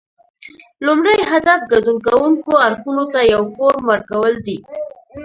لومړی هدف ګډون کوونکو اړخونو ته یو فورم ورکول دي